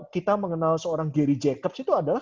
kita mengenal seorang gary jacobs itu adalah